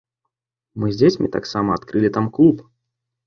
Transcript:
Мы з дзецьмі таксама адкрылі там клуб.